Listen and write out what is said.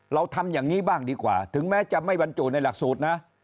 เราทำอย่างนี้บ้างดีกว่าถึงแม้จะไม่บรรจุในหลักสูตรนะ